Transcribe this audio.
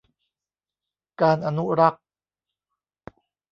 การอนุรักษ์